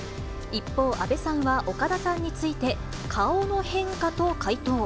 一方、阿部さんは岡田さんについて、顔の変化と回答。